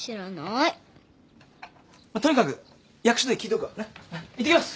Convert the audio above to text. いってきます。